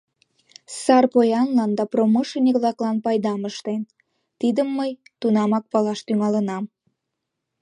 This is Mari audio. Сар поянлан да промышленник-влаклан пайдам ыштен, тидым мый тунамак палаш тӱҥалынам.